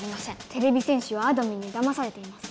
てれび戦士はあどミンにだまされています。